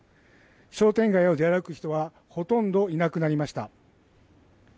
商店街を出歩く人は、ほとんどいなくなりました。